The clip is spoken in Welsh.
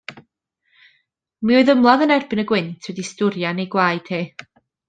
Mi oedd ymladd yn erbyn y gwynt wedi stwyrian ei gwaed hi.